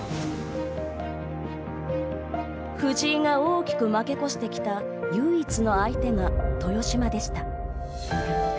藤井が大きく負け越してきた唯一の相手が豊島でした。